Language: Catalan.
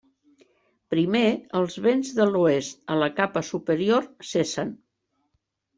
Primer, els vents de l'oest a la capa superior cessen.